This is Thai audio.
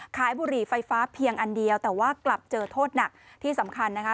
บุหรี่ไฟฟ้าเพียงอันเดียวแต่ว่ากลับเจอโทษหนักที่สำคัญนะคะ